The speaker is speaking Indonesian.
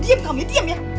diam kamu ya diam ya